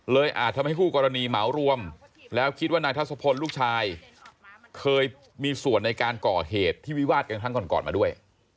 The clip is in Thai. อาจทำให้คู่กรณีเหมารวมแล้วคิดว่านายทัศพลลูกชายเคยมีส่วนในการก่อเหตุที่วิวาดกันครั้งก่อนมาด้วย